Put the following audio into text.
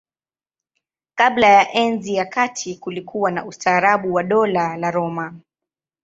Kabla ya Enzi ya Kati kulikuwa na ustaarabu wa Dola la Roma.